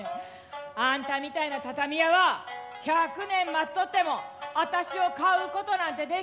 あんたみたいな畳屋は１００年待っとってもあたしを買うことなんて出来んでね！」。